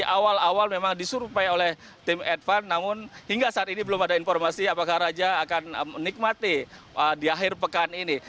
awal awal memang disurupai oleh tim edvan namun hingga saat ini belum ada informasi apakah raja akan menikmati di akhir pekan ini